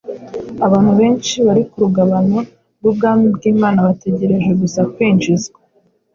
Abantu benshi bari ku rugabano rw’ubwami bw’Imana bategereje gusa kwinjizwa.